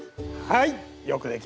はい。